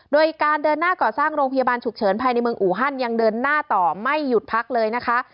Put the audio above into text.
โดยการเดินหน้าก่อสร้างโรงพยาบาลฉุกเฉินภายในเมืองอูฮันยังเดินหน้าต่อไม่หยุดพักเลยนะคะ